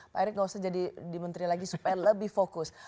pak erick nggak usah jadi di menteri lagi supaya lebih fokus